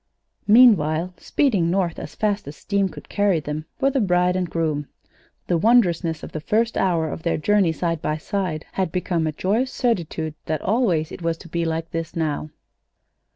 Meanwhile, speeding north as fast as steam could carry them, were the bride and groom. The wondrousness of the first hour of their journey side by side had become a joyous certitude that always it was to be like this now.